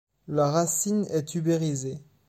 La racine est tubérisée.